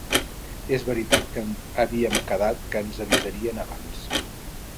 És veritat que havíem quedat que ens avisarien abans